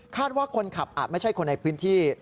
ว่าคนขับอาจไม่ใช่คนในพื้นที่